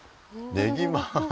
ねぎま？